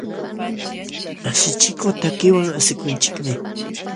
Asichikuq takiwan asikunchikmi.